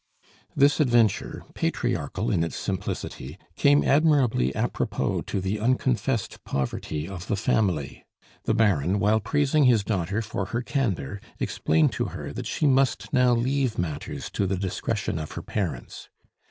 This adventure, patriarchal in its simplicity, came admirably a propos to the unconfessed poverty of the family; the Baron, while praising his daughter for her candor, explained to her that she must now leave matters to the discretion of her parents.